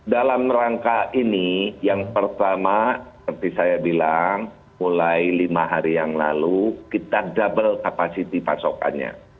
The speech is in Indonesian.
dalam rangka ini yang pertama seperti saya bilang mulai lima hari yang lalu kita double capacity pasokannya